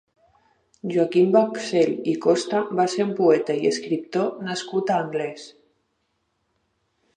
Joaquim Bauxell i Costa va ser un poeta i escriptor nascut a Anglès.